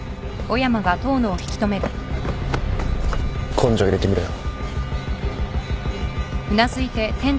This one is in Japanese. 根性入れて見ろよ。